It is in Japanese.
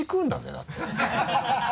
だって。